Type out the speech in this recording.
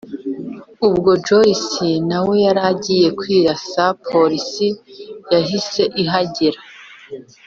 ubwo joyce nawe yaragiye kwirasa police yahise ihagera